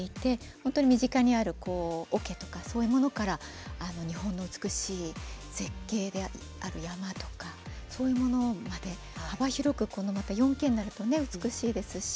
本当に身近にある、おけとかそういうものから日本の美しい絶景であったり山とかそういうものまで幅広く４Ｋになるとまた美しいですし。